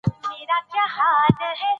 اداري عدالت د وګړو ملاتړ کوي.